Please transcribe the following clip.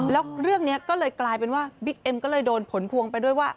แล้วเรื่องนี้ก็เลยกลายเป็นว่าบิ๊กเอ็มก็เลยโดนผลพวงไปด้วยว่า